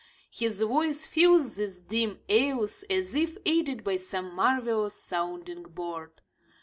His voice fills these dim aisles, as if aided by some marvelous sounding board.